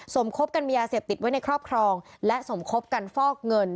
สมคบกันมียาเสพติดไว้ในครอบครองและสมคบกันฟอกเงิน